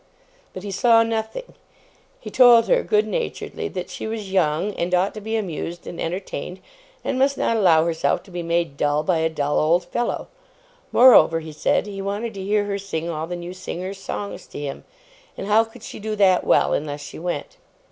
But he saw nothing. He told her, good naturedly, that she was young and ought to be amused and entertained, and must not allow herself to be made dull by a dull old fellow. Moreover, he said, he wanted to hear her sing all the new singer's songs to him; and how could she do that well, unless she went?